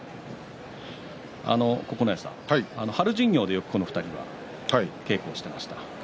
九重さん、春巡業でこの２人はよく稽古をしていました。